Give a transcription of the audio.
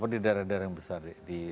di daerah daerah yang besar